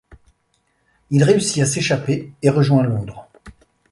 Il réussit à s'échapper et rejoint Londres.